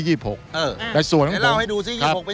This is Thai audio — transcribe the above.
เออไหนเล่าให้ดูซิวันที่๒๖เป็นยังไง